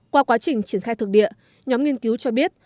qua quá trình triển khai thực địa nhóm nghiên cứu cho biết